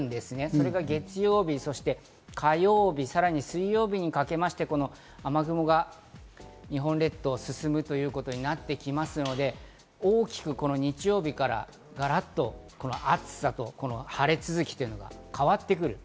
それが月曜日、そして火曜日、さらに水曜日にかけまして雨雲が日本列島を進むということになってきますので、大きく、この日曜日、ガラッと暑さと晴れ続きというのが変わってくる。